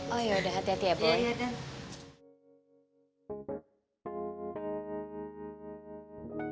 oh yaudah hati hati ya boy